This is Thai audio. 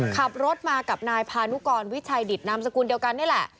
ขับรถมากับนายพานุกรวิชัยดิตนามสกุลเดียวกันนี่แหละ